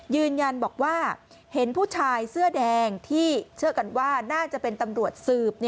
ยืนยันบอกว่าเห็นผู้ชายเสื้อแดงที่เชื่อกันว่าน่าจะเป็นตำรวจสืบ